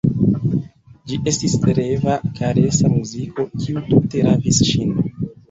Ĝi estis reva, karesa muziko, kiu tute ravis ŝin.